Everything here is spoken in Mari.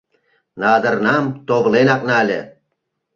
Надырнам товленак нале.